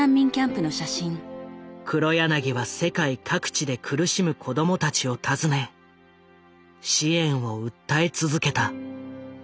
黒柳は世界各地で苦しむ子供たちを訪ね支援を訴え続けた。